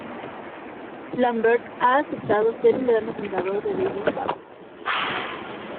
Lambert ha aceptado ser un gran admirador de David Bowie.